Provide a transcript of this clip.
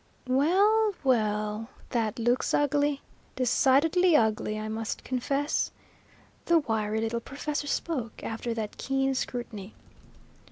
"Well, well, that looks ugly, decidedly ugly, I must confess," the wiry little professor spoke, after that keen scrutiny.